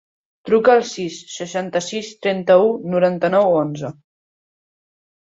Truca al sis, seixanta-sis, trenta-u, noranta-nou, onze.